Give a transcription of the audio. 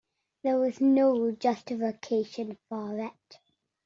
There was no justification for it.